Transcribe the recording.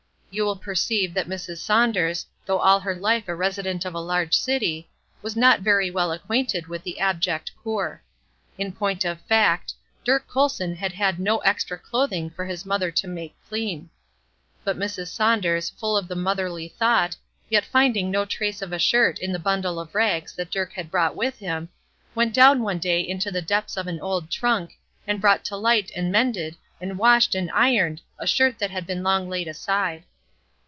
You will perceive that Mrs. Saunders, though all her life a resident of a large city, was not very well acquainted with the abject poor. In point of fact, Dirk Colson had had no extra clothing for his mother to make clean. But Mrs. Saunders, full of the motherly thought, yet finding no trace of a shirt in the bundle of rags that Dirk had brought with him, went down one day into the depths of an old trunk, and brought to light and mended and washed and ironed a shirt that had long been laid aside.